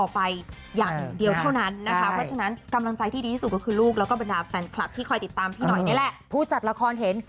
พี่คิดสั้นเลยพี่บอก